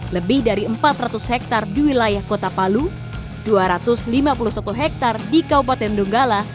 lebih dari empat ratus hektare di wilayah kota palu dua ratus lima puluh satu hektare di kabupaten donggala